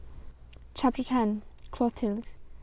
CHAPTER X. CLOTILDE.